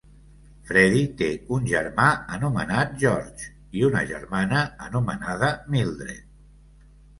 Freddie té un germà anomenat George i una germana anomenada Mildred.